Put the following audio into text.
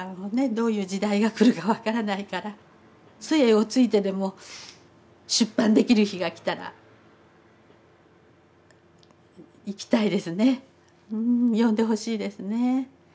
どういう時代が来るか分からないからつえをついてでも出版できる日が来たら行きたいですね読んでほしいですね。